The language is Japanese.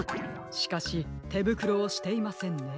しかしてぶくろをしていませんね。